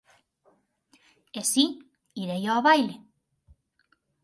E si, irei ó baile.